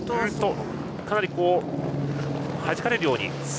かなりはじかれるように。